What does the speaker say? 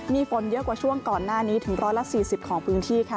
มีฝนเยอะกว่าช่วงก่อนหน้านี้ถึง๑๔๐ของพื้นที่ค่ะ